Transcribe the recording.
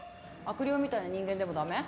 悪霊みたいな人間でもダメ？